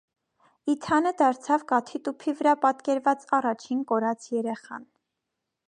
Իթանը դարձավ կաթի տուփի վրա պատկերված առաջին կորած երեխան։